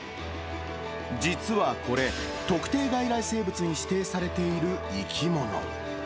実はこれ、特定外来生物に指定されている生き物。